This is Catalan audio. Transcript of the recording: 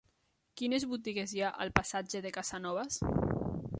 Quines botigues hi ha al passatge de Casanovas?